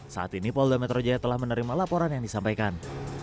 saat ini polda metro jaya telah menerima laporan yang disampaikan